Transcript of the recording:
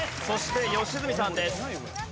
そして良純さんです。